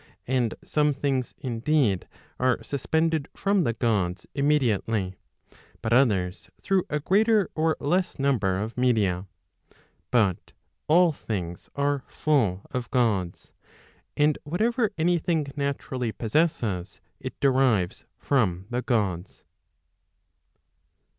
And some things indeed are suspended from the Gods immedi¬ ately, but others through a greater or less number of media. But all things are full 1 of Gods. And whatever any thing naturally possesses, it derives from the Gods.